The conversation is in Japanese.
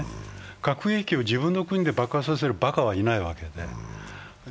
核兵器を自分の国で爆破させるばかはいないわけで。